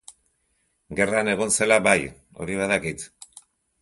Gerran egon zela bai, hori badakit.